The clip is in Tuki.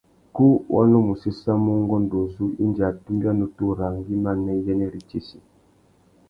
Kú wa nu mù séssamú ungôndô uzu indi a tumbia nutu râā ngüimá nà iyênêritsessi.